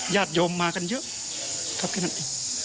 ญาติโยมมากันเยอะครับแค่นั้นเอง